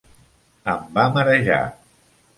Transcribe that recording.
Em va marejar.